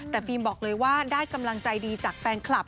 แต่ฟิล์มบอกเลยว่าได้กำลังใจดีจากแฟนคลับ